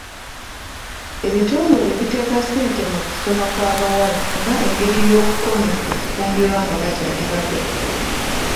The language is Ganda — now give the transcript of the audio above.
Ebitongole biteeka ssente mu kusoma kw'abawala nga engeri y'okukomya okufumbirwa nga bakyali bato.